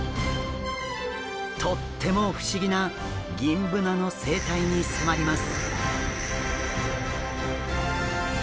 とっても不思議なギンブナの生態に迫ります。